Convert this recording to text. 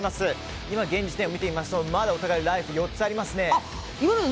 今、現時点で見てみますとまだお互いライフは４つありますね。